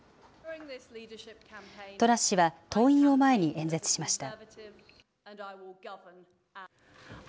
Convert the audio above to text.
トラス氏は党員を前に演説しました。